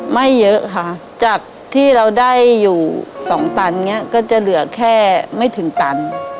ไม่เยอะค่ะจากที่เราได้อยู่๒ตันเนี่ยก็จะเหลือแค่ไม่ถึงตัน